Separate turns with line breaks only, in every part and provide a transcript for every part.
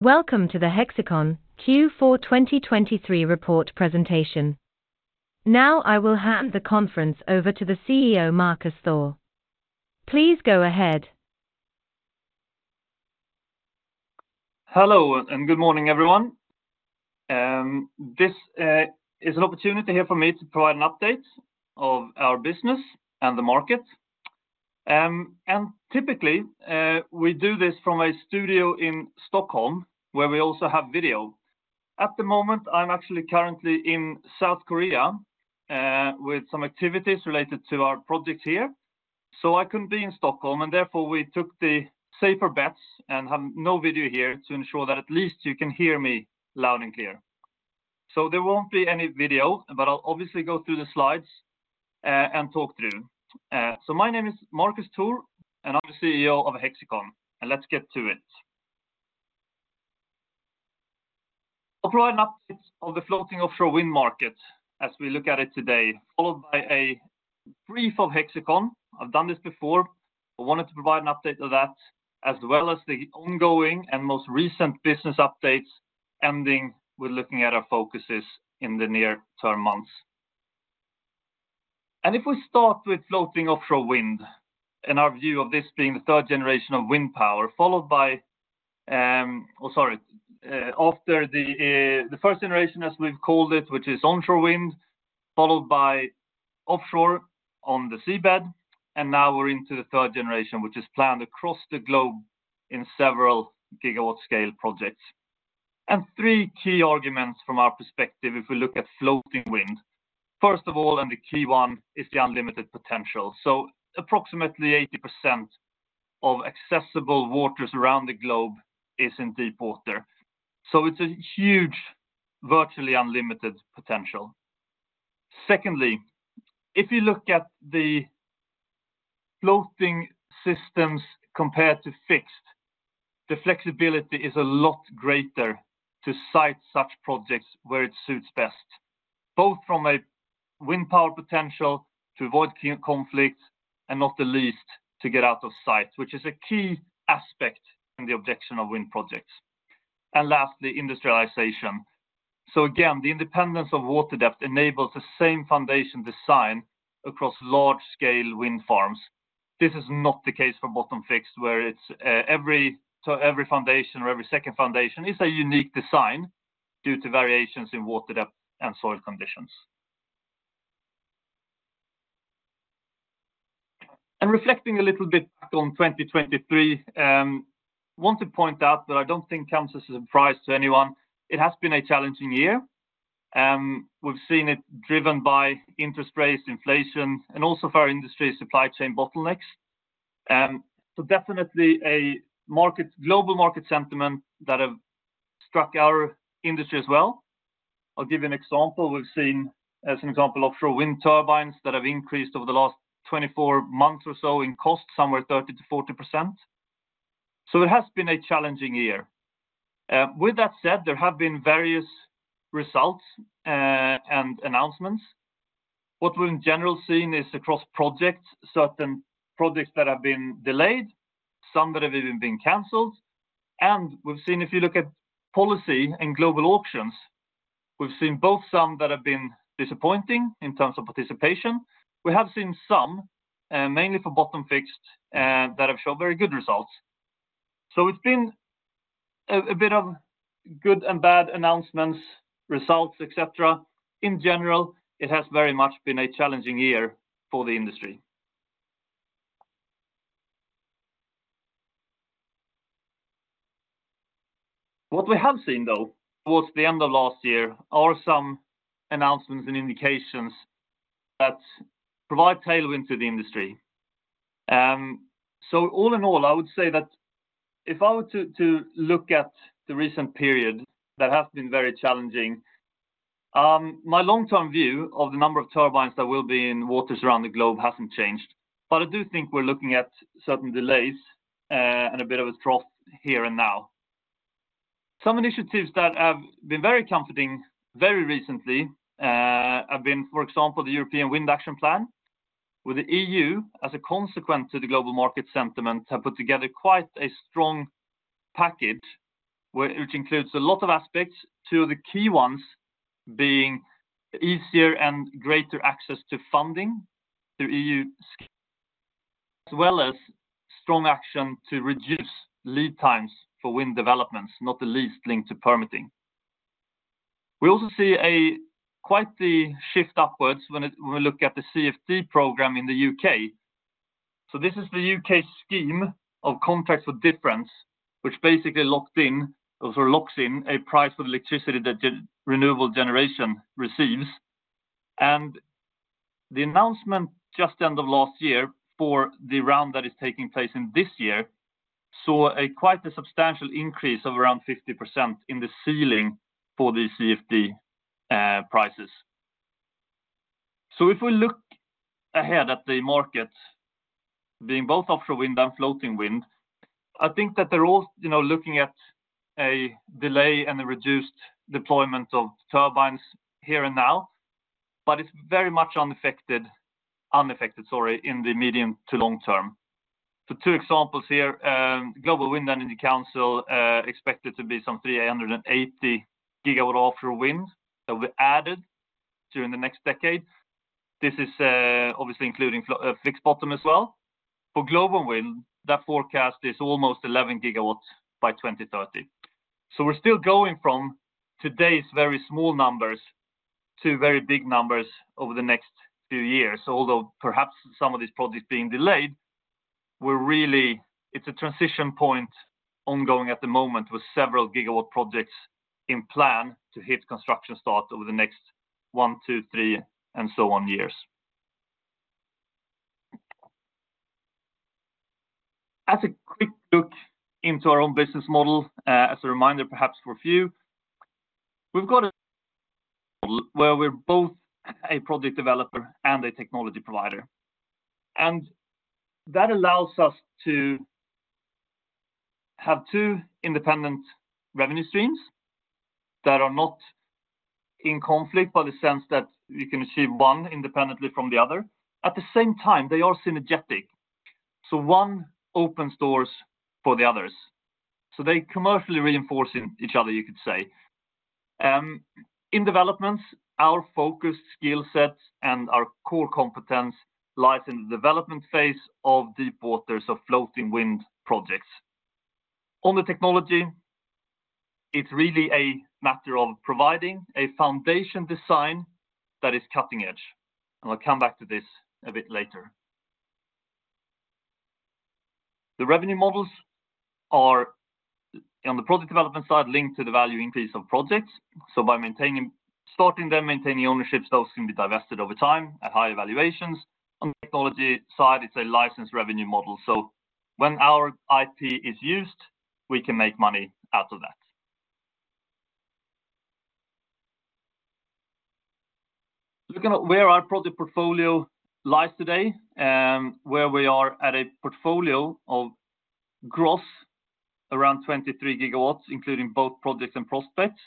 Welcome to the Hexicon Q4 2023 report presentation. Now I will hand the conference over to the CEO Marcus Thor. Please go ahead.
Hello and good morning, everyone. This is an opportunity here for me to provide an update of our business and the market. Typically, we do this from a studio in Stockholm where we also have video. At the moment I'm actually currently in South Korea, with some activities related to our project here, so I couldn't be in Stockholm and therefore we took the safer bets and have no video here to ensure that at least you can hear me loud and clear. There won't be any video, but I'll obviously go through the slides, and talk through. My name is Marcus Thor, and I'm the CEO of Hexicon, and let's get to it. I'll provide an update of the floating offshore wind market as we look at it today, followed by a brief of Hexicon. I've done this before, but wanted to provide an update of that as well as the ongoing and most recent business updates ending with looking at our focuses in the near-term months. And if we start with floating offshore wind, and our view of this being the third generation of wind power, followed by after the first generation as we've called it, which is onshore wind, followed by offshore on the seabed, and now we're into the third generation which is planned across the globe in several gigawatt-scale projects. And three key arguments from our perspective if we look at floating wind. First of all, and the key one, is the unlimited potential. So approximately 80% of accessible waters around the globe is in deep water, so it's a huge, virtually unlimited potential. Secondly, if you look at the floating systems compared to fixed, the flexibility is a lot greater to site such projects where it suits best, both from a wind power potential to avoid conflict, and not the least to get out of site, which is a key aspect in the objection of wind projects. And lastly, industrialization. So again, the independence of water depth enables the same foundation design across large-scale wind farms. This is not the case for bottom-fixed where it's every to every foundation or every second foundation is a unique design due to variations in water depth and soil conditions. And reflecting a little bit back on 2023, I want to point out that I don't think comes as a surprise to anyone. It has been a challenging year. We've seen it driven by interest rates, inflation, and also for our industry supply chain bottlenecks. So, definitely, a market global market sentiment that have struck our industry as well. I'll give you an example. We've seen, as an example, offshore wind turbines that have increased over the last 24 months or so in cost somewhere 30%-40%. So it has been a challenging year. With that said, there have been various results, and announcements. What we've in general seen is across projects, certain projects that have been delayed, some that have even been canceled. And we've seen if you look at policy and global auctions, we've seen both some that have been disappointing in terms of participation. We have seen some, mainly for bottom-fixed, that have shown very good results. So it's been a bit of good and bad announcements, results, etc. In general, it has very much been a challenging year for the industry. What we have seen, though, towards the end of last year are some announcements and indications that provide tailwind to the industry. So all in all, I would say that if I were to look at the recent period that has been very challenging, my long-term view of the number of turbines that will be in waters around the globe hasn't changed, but I do think we're looking at certain delays, and a bit of a trough here and now. Some initiatives that have been very comforting very recently, have been, for example, the European Wind Action Plan, where the EU, as a consequence to the global market sentiment, have put together quite a strong package which includes a lot of aspects, two of the key ones being easier and greater access to funding through EU, as well as strong action to reduce lead times for wind developments, not the least linked to permitting. We also see quite the shift upwards when we look at the CfD program in the U.K. So this is the U.K. scheme of Contracts for Difference, which basically locked in or sort of locks in a price for the electricity that renewable generation receives. The announcement just the end of last year for the round that is taking place in this year saw quite a substantial increase of around 50% in the ceiling for the CfD prices. So if we look ahead at the market being both offshore wind and floating wind, I think that they're all, you know, looking at a delay and a reduced deployment of turbines here and now, but it's very much unaffected, sorry, in the medium to long term. So two examples here, Global Wind Energy Council, expected to be some 380 GW offshore wind that will be added during the next decade. This is, obviously including fixed bottom as well. For floating wind, that forecast is almost 11 GW by 2030. So we're still going from today's very small numbers to very big numbers over the next few years. Although perhaps some of these projects being delayed, we're really it's a transition point ongoing at the moment with several gigawatt projects in plan to hit construction start over the next one, two, three, and so on years. As a quick look into our own business model, as a reminder perhaps for a few, we've got a model where we're both a project developer and a technology provider. That allows us to have two independent revenue streams that are not in conflict by the sense that you can achieve one independently from the other. At the same time, they are synergetic. So one opens doors for the others. So they commercially reinforce each other, you could say. In developments, our focused skill sets and our core competence lies in the development phase of deep waters of floating wind projects. On the technology, it's really a matter of providing a foundation design that is cutting edge. I'll come back to this a bit later. The revenue models are on the project development side linked to the value increase of projects. So by maintaining starting them, maintaining ownerships, those can be divested over time at higher valuations. On the technology side, it's a licensed revenue model. So when our IP is used, we can make money out of that. Looking at where our project portfolio lies today, where we are at a portfolio of gross around 23 GW, including both projects and prospects.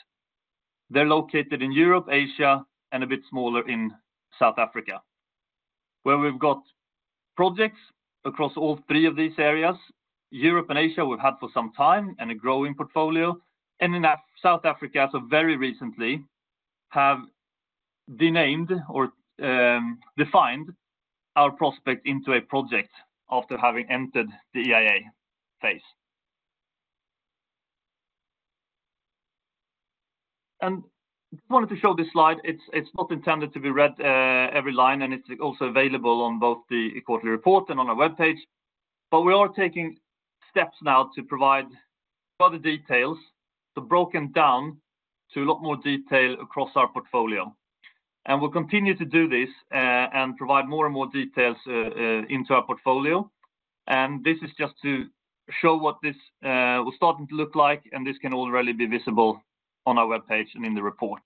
They're located in Europe, Asia, and a bit smaller in South Africa, where we've got projects across all three of these areas, Europe and Asia. We've had for some time a growing portfolio, and in South Africa, so very recently, have defined our prospect into a project after having entered the EIA phase. I just wanted to show this slide. It's not intended to be read, every line, and it's also available on both the quarterly report and on our web page. We are taking steps now to provide other details, so broken down to a lot more detail across our portfolio. We'll continue to do this, and provide more and more details into our portfolio. This is just to show what this will starting to look like, and this can already be visible on our web page and in the report.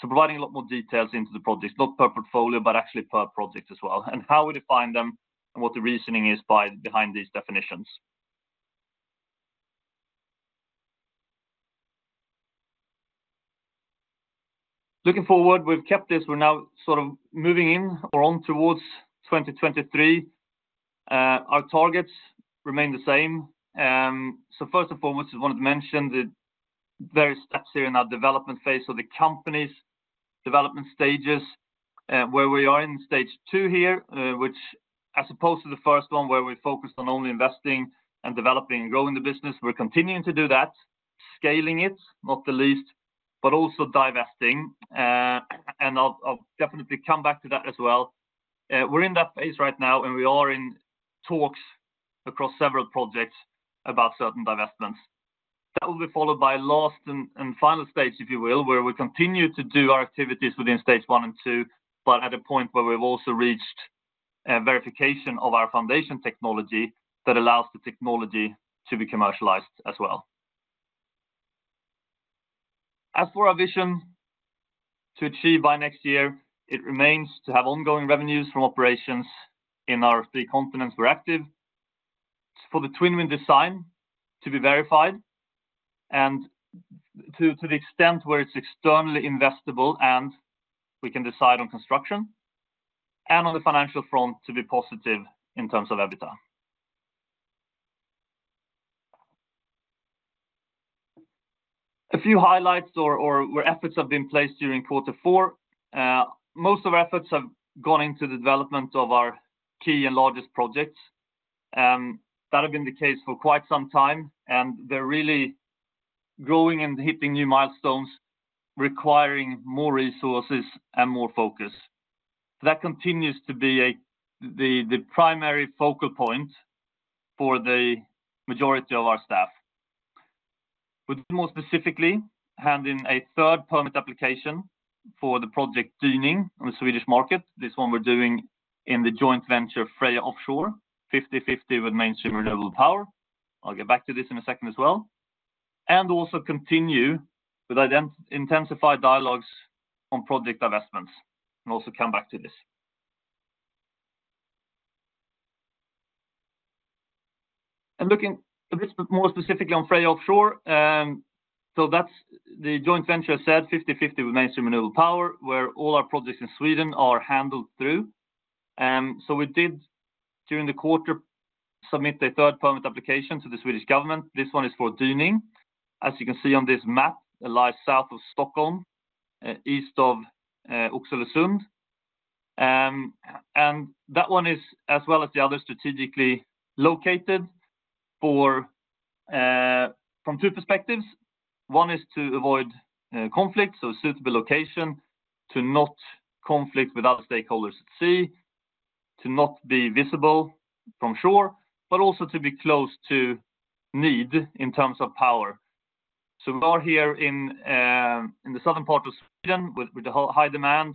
Providing a lot more details into the projects, not per portfolio, but actually per project as well, and how we define them and what the reasoning is behind these definitions. Looking forward, we've kept this. We're now sort of moving in or on towards 2023. Our targets remain the same. So first and foremost, I wanted to mention the various steps here in our development phase of the company's development stages, where we are in stage two here, which, as opposed to the first one where we focused on only investing and developing and growing the business, we're continuing to do that, scaling it, not the least, but also divesting. I'll definitely come back to that as well. We're in that phase right now, and we are in talks across several projects about certain divestments. That will be followed by a last and final stage, if you will, where we continue to do our activities within stage one and two, but at a point where we've also reached verification of our foundation technology that allows the technology to be commercialized as well. As for our vision to achieve by next year, it remains to have ongoing revenues from operations in our three continents we're active. For the TwinWind design to be verified and to the extent where it's externally investable and we can decide on construction and on the financial front to be positive in terms of EBITDA. A few highlights or where efforts have been placed during quarter four. Most of our efforts have gone into the development of our key and largest projects. that have been the case for quite some time, and they're really growing and hitting new milestones requiring more resources and more focus. That continues to be the primary focal point for the majority of our staff. We're more specifically handling a third permit application for the project Dyning on the Swedish market. This one we're doing in the joint venture Freja Offshore, 50/50 with Mainstream Renewable Power. I'll get back to this in a second as well. And also continue with intensified dialogues on project divestments. I'll also come back to this. And looking a bit more specifically on Freja Offshore, so that's the joint venture, as said, 50/50 with Mainstream Renewable Power, where all our projects in Sweden are handled through. So we did during the quarter submit a third permit application to the Swedish government. This one is for Dyning. As you can see on this map, it lies south of Stockholm, east of Oxelösund. And that one is, as well as the others, strategically located for, from two perspectives. One is to avoid conflict, so suitable location to not conflict with other stakeholders at sea, to not be visible from shore, but also to be close to need in terms of power. So we are here in the southern part of Sweden with the high demand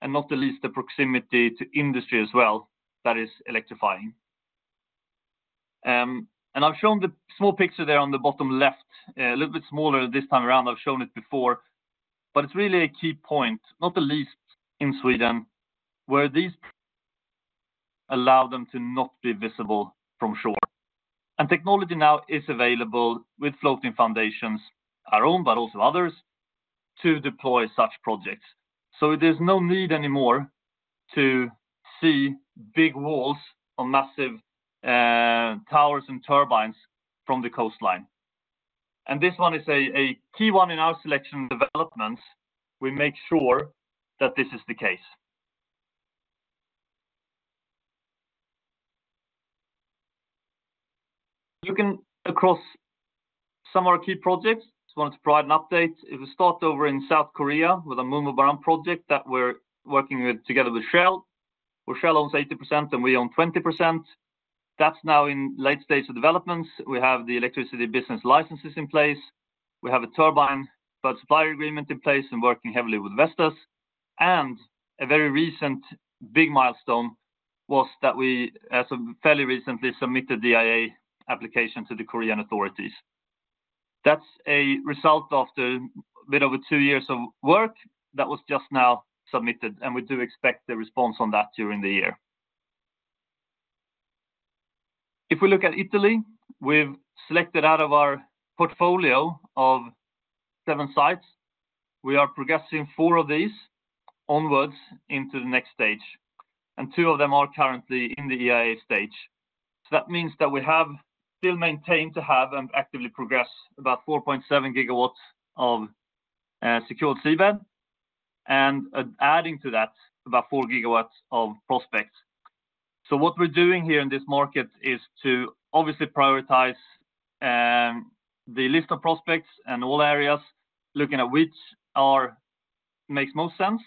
and not the least the proximity to industry as well that is electrifying. And I've shown the small picture there on the bottom left, a little bit smaller this time around. I've shown it before, but it's really a key point, not the least. In Sweden, where these allow them to not be visible from shore. Technology now is available with floating foundations, our own, but also others, to deploy such projects. So there's no need anymore to see big walls on massive towers and turbines from the coastline. And this one is a key one in our selection. Developments, we make sure that this is the case. Looking across some of our key projects, I just wanted to provide an update. If we start over in South Korea with the MunmuBaram project that we're working with together with Shell, where Shell owns 80% and we own 20%. That's now in late stage of developments. We have the electricity business licenses in place. We have a turbine supplier agreement in place and working heavily with Vestas. And a very recent big milestone was that we, as of fairly recently, submitted the EIA application to the Korean authorities. That's a result after a bit over two years of work that was just now submitted, and we do expect a response on that during the year. If we look at Italy, we've selected out of our portfolio of seven sites. We are progressing four of these onwards into the next stage, and two of them are currently in the EIA stage. So that means that we have still maintained to have and actively progress about 4.7 GW of secured seabed. And adding to that, about 4 GW of prospects. So what we're doing here in this market is to obviously prioritize the list of prospects and all areas, looking at which makes most sense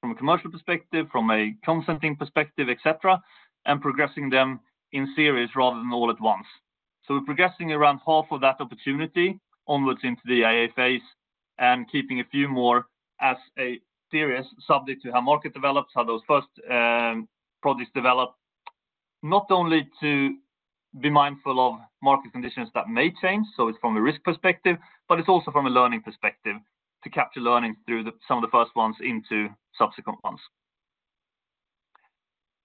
from a commercial perspective, from a consenting perspective, etc., and progressing them in series rather than all at once. So we're progressing around half of that opportunity onwards into the EIA phase and keeping a few more as a series subject to how market develops, how those first projects develop, not only to be mindful of market conditions that may change. So it's from a risk perspective, but it's also from a learning perspective to capture learnings through some of the first ones into subsequent ones.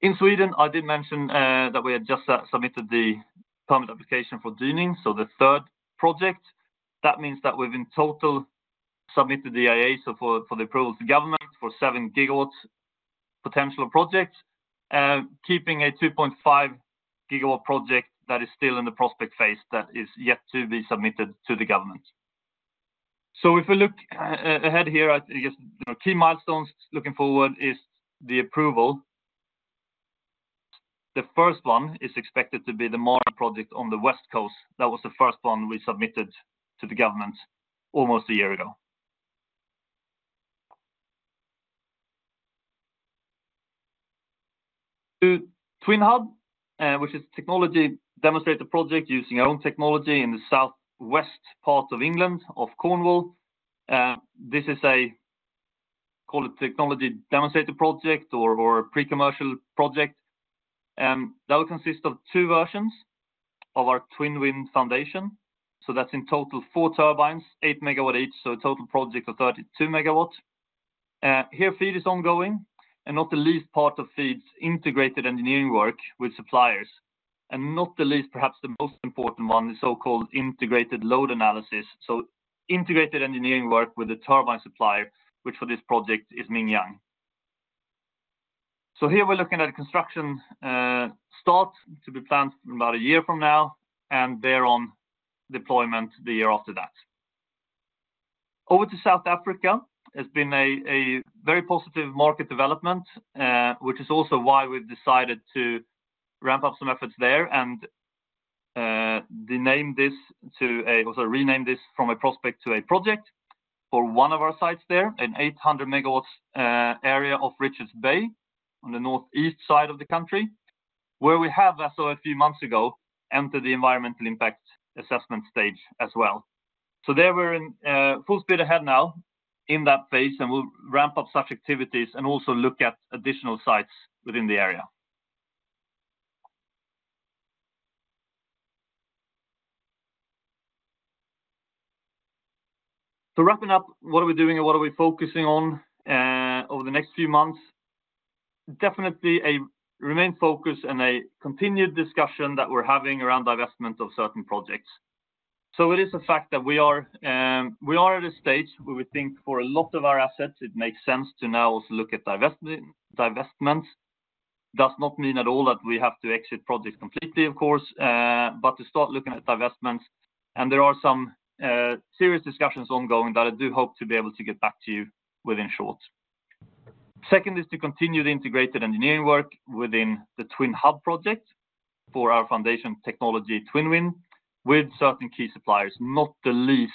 In Sweden, I did mention, that we had just submitted the permit application for Dyning, so the third project. That means that we've in total submitted the EIA for the approvals to government for 7 GW potential projects, keeping a 2.5 GW project that is still in the prospect phase that is yet to be submitted to the government. So if we look ahead here, I guess, you know, key milestones looking forward is the approval. The first one is expected to be the Mareld project on the West Coast. That was the first one we submitted to the government almost a year ago. TwinHub, which is a technology demonstrator project using our own technology in the southwest part of England of Cornwall. This is, call it, a technology demonstrator project or a pre-commercial project. That will consist of two versions of our TwinWind foundation. So that's in total four turbines, 8 MW each, so a total project of 32 MW. Here FEED is ongoing and not the least part of FEED's integrated engineering work with suppliers. And not the least, perhaps the most important one, the so-called Integrated Load Analysis. So integrated engineering work with the turbine supplier, which for this project is Mingyang. So here we're looking at construction, start to be planned from about a year from now and thereon deployment the year after that. Over to South Africa, it's been a very positive market development, which is also why we've decided to ramp up some efforts there and rename this from a prospect to a project for one of our sites there in 800 MW, area of Richards Bay on the northeast side of the country, where we have, as of a few months ago, entered the environmental impact assessment stage as well. So there we're in full speed ahead now in that phase, and we'll ramp up such activities and also look at additional sites within the area. So wrapping up, what are we doing and what are we focusing on over the next few months? Definitely a remaining focus and a continued discussion that we're having around divestment of certain projects. So it is a fact that we are, we are at a stage where we think for a lot of our assets, it makes sense to now also look at divestment. Divestment does not mean at all that we have to exit projects completely, of course, but to start looking at divestments. And there are some serious discussions ongoing that I do hope to be able to get back to you within short. Second is to continue the integrated engineering work within the TwinHub project for our foundation technology TwinWind with certain key suppliers, not the least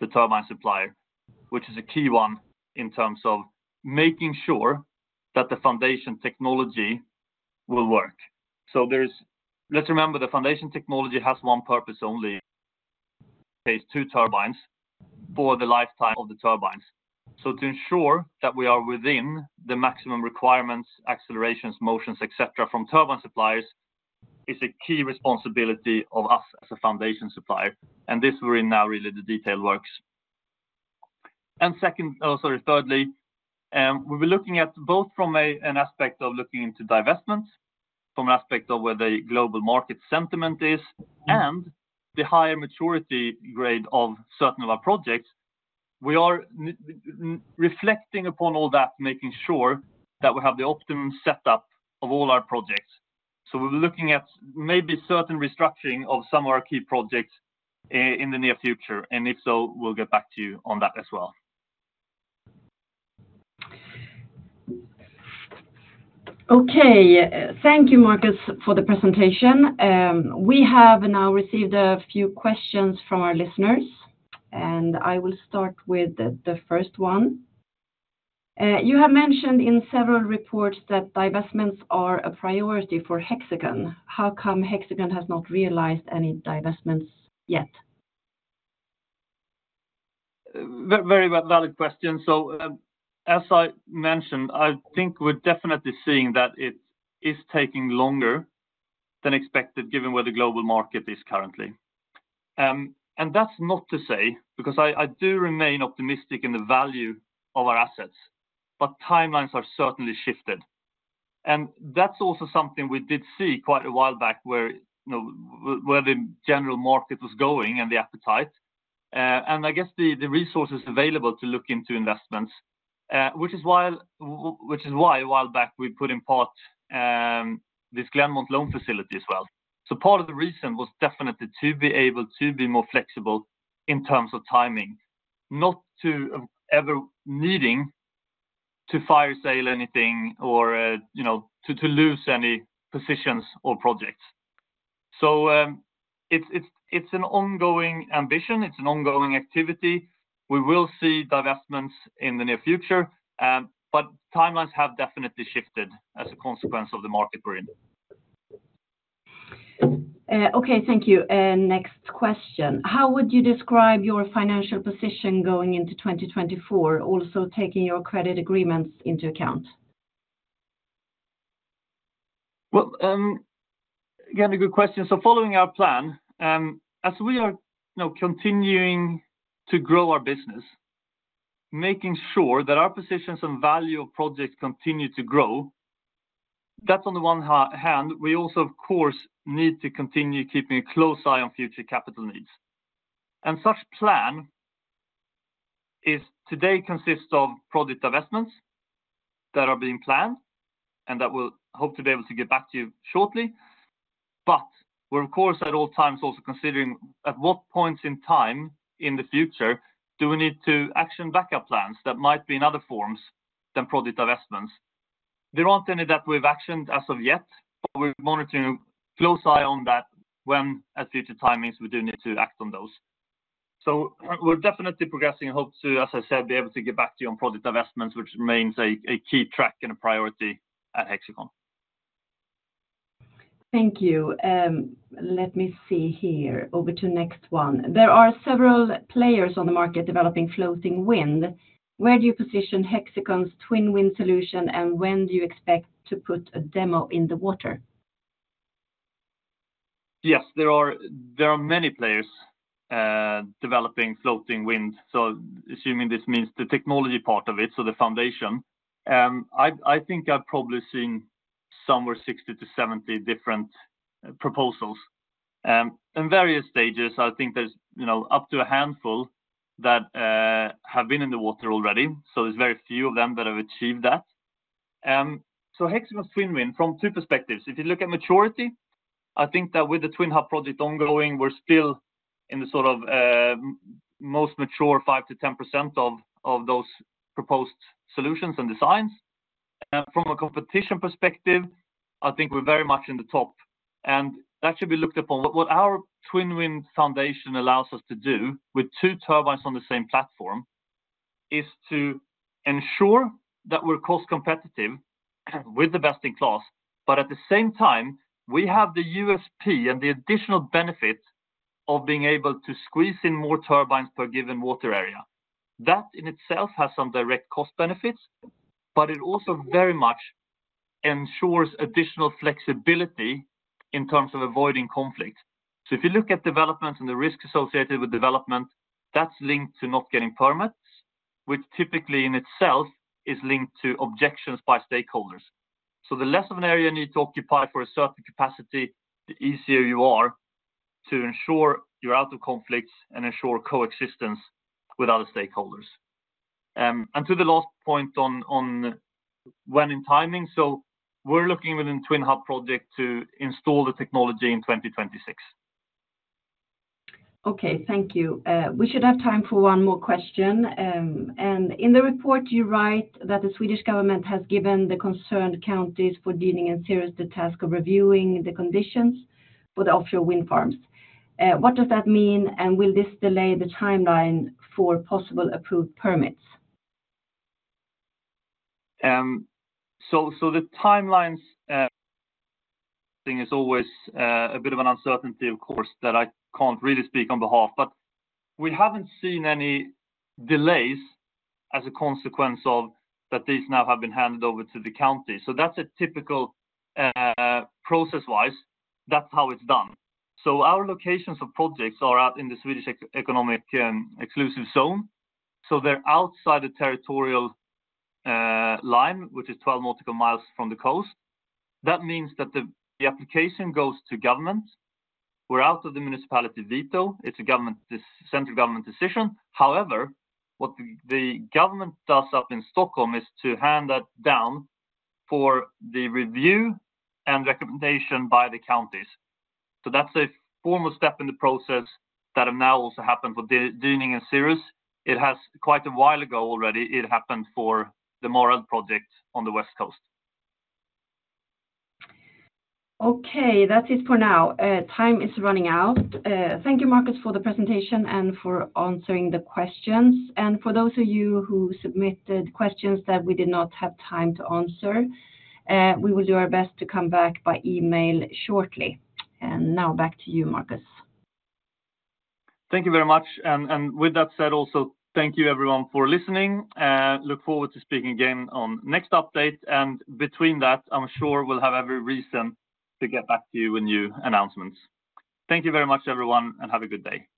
the turbine supplier, which is a key one in terms of making sure that the foundation technology will work. So there's—let's remember the foundation technology has one purpose only. Phase II turbines for the lifetime of the turbines. So to ensure that we are within the maximum requirements, accelerations, motions, etc., from turbine suppliers is a key responsibility of us as a foundation supplier. And this we're in now really the detailed works. And second, or sorry, thirdly, we'll be looking at both from an aspect of looking into divestments, from an aspect of where the global market sentiment is, and the higher maturity grade of certain of our projects. We are reflecting upon all that, making sure that we have the optimum setup of all our projects. So we'll be looking at maybe certain restructuring of some of our key projects in the near future. And if so, we'll get back to you on that as well.
Okay, thank you, Marcus, for the presentation. We have now received a few questions from our listeners, and I will start with the first one. You have mentioned in several reports that divestments are a priority for Hexicon. How come Hexicon has not realized any divestments yet?
Very valid question. So, as I mentioned, I think we're definitely seeing that it is taking longer than expected given where the global market is currently. And that's not to say because I do remain optimistic in the value of our assets, but timelines are certainly shifted. And that's also something we did see quite a while back where, you know, where the general market was going and the appetite. And I guess the resources available to look into investments, which is why a while back we put in part, this Glennmont loan facility as well. So part of the reason was definitely to be able to be more flexible in terms of timing, not to ever needing to fire sale anything or, you know, to lose any positions or projects. So, it's an ongoing ambition. It's an ongoing activity. We will see divestments in the near future. But timelines have definitely shifted as a consequence of the market we're in.
Okay, thank you. Next question. How would you describe your financial position going into 2024, also taking your credit agreements into account?
Well, again, a good question. So following our plan, as we are, you know, continuing to grow our business, making sure that our positions and value of projects continue to grow, that's on the one hand, we also, of course, need to continue keeping a close eye on future capital needs. Such plan today consists of project divestments that are being planned and that we'll hope to be able to get back to you shortly. But we're, of course, at all times also considering at what points in time in the future do we need to action backup plans that might be in other forms than project divestments. There aren't any that we've actioned as of yet, but we're monitoring a close eye on that when at future timings we do need to act on those. So we're definitely progressing and hope to, as I said, be able to get back to you on project divestments, which remains a key track and a priority at Hexicon.
Thank you. Let me see here. Over to next one. There are several players on the market developing floating wind. Where do you position Hexicon's TwinWind solution and when do you expect to put a demo in the water?
Yes, there are many players developing floating wind. So assuming this means the technology part of it, so the foundation. I think I've probably seen somewhere 60-70 different proposals in various stages. I think there's, you know, up to a handful that have been in the water already. So there's very few of them that have achieved that. So Hexicon's TwinWind from two perspectives. If you look at maturity, I think that with the TwinHub project ongoing, we're still in the sort of most mature 5%-10% of those proposed solutions and designs. From a competition perspective, I think we're very much in the top. And that should be looked upon. What our TwinWind foundation allows us to do with two turbines on the same platform is to ensure that we're cost competitive with the best in class, but at the same time, we have the USP and the additional benefit of being able to squeeze in more turbines per given water area. That in itself has some direct cost benefits, but it also very much ensures additional flexibility in terms of avoiding conflict. So if you look at developments and the risk associated with development, that's linked to not getting permits, which typically in itself is linked to objections by stakeholders. So the less of an area you need to occupy for a certain capacity, the easier you are to ensure you're out of conflicts and ensure coexistence with other stakeholders. To the last point on when in timing, so we're looking within the TwinHub project to install the technology in 2026. Okay, thank you. We should have time for one more question. In the report you write that the Swedish government has given the concerned counties for Dyning and Cirrus the task of reviewing the conditions for the offshore wind farms. What does that mean and will this delay the timeline for possible approved permits? So the timelines thing is always a bit of an uncertainty, of course, that I can't really speak on behalf, but we haven't seen any delays as a consequence of that. These now have been handed over to the counties. So that's a typical process-wise. That's how it's done. So our locations of projects are out in the Swedish Economic Zone. So they're outside the territorial line, which is 12 nautical miles from the coast. That means that the application goes to government. We're out of the municipality veto. It's a government, this central government decision. However, what the government does up in Stockholm is to hand that down for the review and recommendation by the counties. So that's a formal step in the process that have now also happened for Dyning and Cirrus. It has quite a while ago already. It happened for the Mareld project on the West Coast.
Okay, that's it for now. Time is running out. Thank you, Marcus, for the presentation and for answering the questions. And for those of you who submitted questions that we did not have time to answer, we will do our best to come back by email shortly. And now back to you, Marcus. Thank you very much.
And with that said, also thank you everyone for listening. Look forward to speaking again on next update. And between that, I'm sure we'll have every reason to get back to you with new announcements. Thank you very much, everyone, and have a good day.